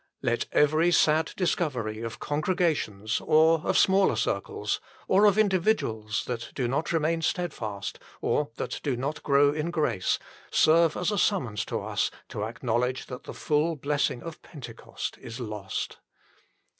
Let every sad discovery of congregations, or of smaller circles, or of individuals that do not remain steadfast, or that do not grow in grace, serve as a summons to us to acknowledge that the full blessing of Pentecost is lost.